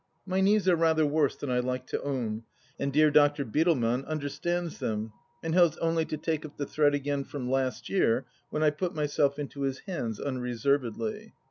My knees are rather worse than I like to own, and dear Dr. Bittelman understands them, and has only to take up the thread again from last year when I put myself into his hands, unreservedly.